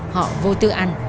họ vô tự ăn